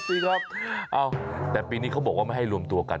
นั่นจริงครับเอ้าแต่ปีนี้เขาบอกว่าไม่ให้รวมตัวกัน